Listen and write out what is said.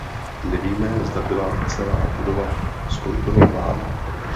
Nevíme, zda byla celá budova zkontrolována.